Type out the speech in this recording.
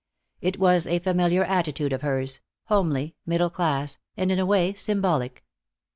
It was a familiar attitude of hers, homely, middle class, and in a way symbolic.